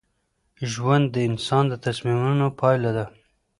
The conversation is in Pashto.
ژوند د انسان د تصمیمونو پایله ده.